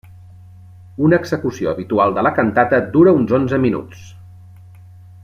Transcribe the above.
Una execució habitual de la cantata dura uns onze minuts.